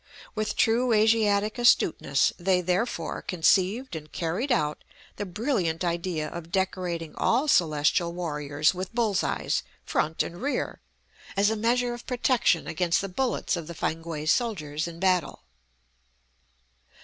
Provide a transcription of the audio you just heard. With true Asiatic astuteness, they therefore conceived and carried out the brilliant idea of decorating all Celestial warriors with bull's eyes, front and rear, as a measure of protection against the bullets of the Fankwae soldiers in battle.